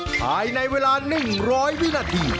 หายในเวลานิ่งร้อยวินาที